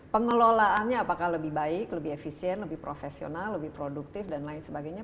pengelolaannya apakah lebih baik lebih efisien lebih profesional lebih produktif dan lain sebagainya